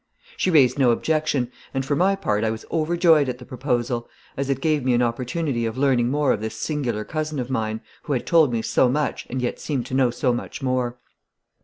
She raised no objection, and for my part I was overjoyed at the proposal, as it gave me an opportunity of learning more of this singular cousin of mine, who had told me so much and yet seemed to know so much more.